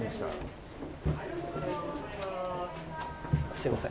すいません。